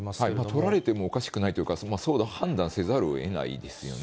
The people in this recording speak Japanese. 取られてもおかしくないというか、そうだと判断せざるをえないですよね。